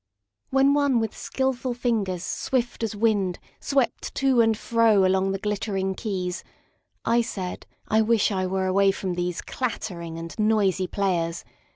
WHEN one with skillful fingers swift as wind Swept to and fro along the glittering keys, I said: I wish I were away from these Clattering and noisy players!